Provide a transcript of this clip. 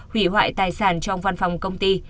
hủy hoại tài sản trong văn phòng công ty